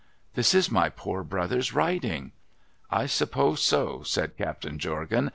' This is my poor brother's writing !'' I suppose so,' said Captain Jorgan.